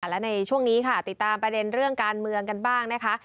และในช่วงนี้ค่ะติดตามประเด็นเรื่องการเมืองกันบ้างนะคะ